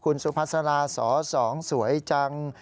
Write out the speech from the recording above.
คุณสุพัสราสสสวยจัง